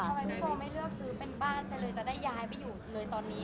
ทำไมพี่ปอไม่เลือกซื้อเป็นบ้านไปเลยจะได้ย้ายไปอยู่เลยตอนนี้